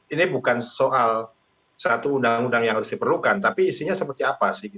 ini bukan soal satu undang undang yang harus diperlukan tapi isinya seperti apa sih